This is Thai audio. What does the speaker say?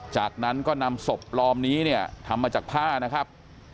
จากนั้นก็นำศพปลอมนี้เนี่ยทำมาจากผ้านะครับ